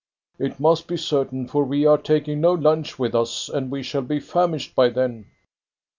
"It must be certain, for we are taking no lunch with us, and we shall be famished by then."